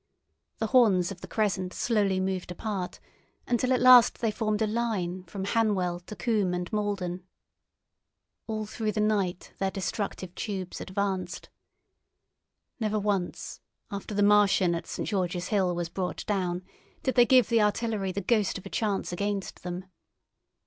The horns of the crescent slowly moved apart, until at last they formed a line from Hanwell to Coombe and Malden. All night through their destructive tubes advanced. Never once, after the Martian at St. George's Hill was brought down, did they give the artillery the ghost of a chance against them.